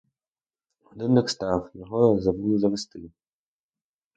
Годинник став, — його забули завести.